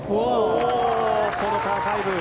このパー５。